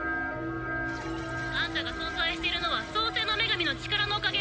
「あんたが存在してるのは創世の女神の力のおかげよ」